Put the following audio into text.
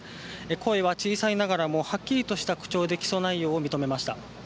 声は小さいながらもはっきりとした口調で起訴内容を認めました。